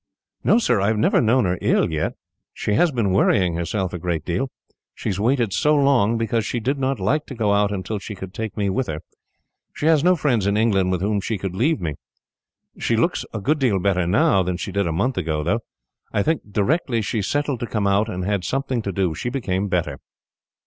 "No, sir. I have never known her ill, yet. She has been worrying herself a great deal. She has waited so long, because she did not like to go out until she could take me with her. She has no friends in England with whom she could leave me. She looks a good deal better, now, than she did a month ago. I think, directly she settled to come out, and had something to do, she became better."